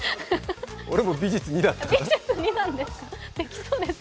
俺も美術２だったから。